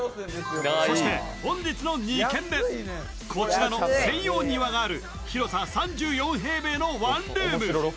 そして、本日の２軒目、こちらの専用庭がある広さ３４平米のワンルーム。